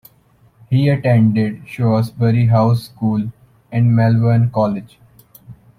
He attended Shrewsbury House School and Malvern College.